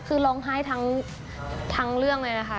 คือร้องไห้ทั้งเรื่องเลยนะคะ